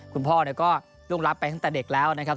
คุณพ่อก็ล่วงรับไปตั้งแต่เด็กแล้วนะครับ